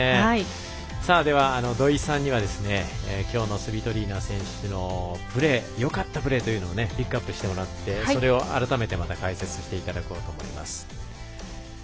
では、土居さんに今日のスビトリーナ選手のよかったプレーをピックアップしてもらってそれを改めて解説していただこうと思います。